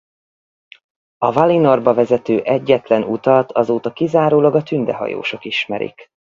A Valinorba vezető egyetlen utat azóta kizárólag a tünde hajósok ismerik.